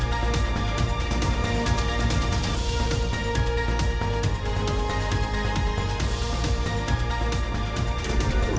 โปรดติดตามตอนต่อไป